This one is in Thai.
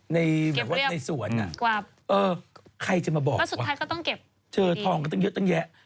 ในส่วนอ่ะใครจะมาบอกว่าเจอทองก็ต้องเยอะตั้งแยะ